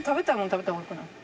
食べた方がよくない？